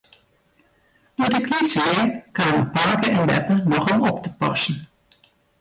Doe't ik lyts wie, kamen pake en beppe noch om op te passen.